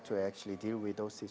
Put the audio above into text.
dalam cara menangani situasi tersebut